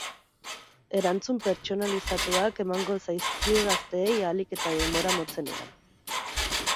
Erantzun pertsonalizatuak emango zaizkie gazteei ahalik eta denbora motzenean.